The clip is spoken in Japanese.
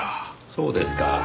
そうですか。